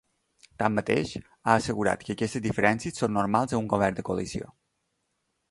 Tanmateix, ha assegurat que aquestes diferències són normals en un govern de coalició.